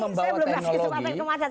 pernah teringati mohon maaf pak